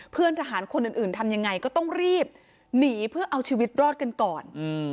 เพื่อนทหารคนอื่นทำยังไงก็ต้องรีบหนีเพื่อเอาชีวิตรอดกันก่อน